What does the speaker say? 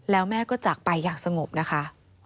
แล้วแม่ก็จากไปอย่างสงบนะคะ